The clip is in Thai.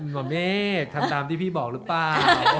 หมอเมฆทำตามที่พี่บอกหรือเปล่า